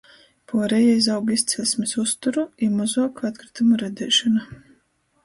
Puoreja iz augu izceļsmis uzturu i mozuoka atkrytumu radeišona.